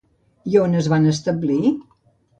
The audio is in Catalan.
I a on es va establir?